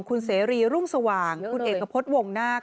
คุณเสรีรุ่งสว่างคุณเอกพฤษวงนาค